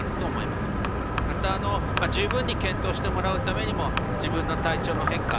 また十分に検討してもらうためにも自分の体調の変化